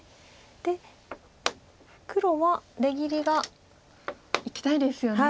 で黒は出切りが。いきたいですよね。